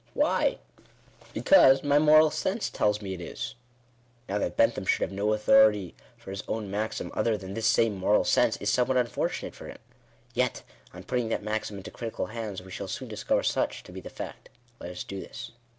Why ? 'because my moral sense tells me it is/ " Now that Bentham should have no other authority for his own maxim than this same moral sense, is somewhat unfortunate for him. Yet, on putting that maxim into critical hands, we shall soon discover such to be the fact. Let us do this.